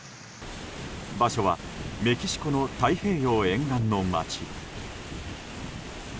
場所はメキシコの太平洋沿岸の街。